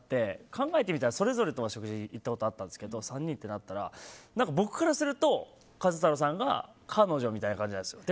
考えてみたらそれぞれとは食事に行ったことあったんですけど３人となったら僕からすると壱太郎さんが彼女みたいな感じなんですよ。